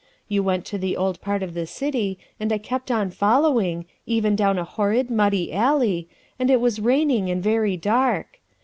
You went to the old part of the city and I kept on following, even down a horrid, muddy alley, and it was raining and very dark.